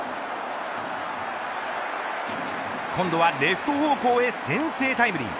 今度はレフト方向へ先制タイムリー。